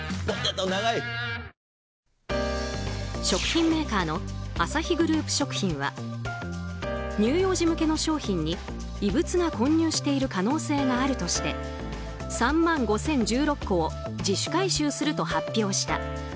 食品メーカーのアサヒグループ食品は乳幼児向けの商品に、異物が混入している可能性があるとして３万５０１６個を自主回収すると発表した。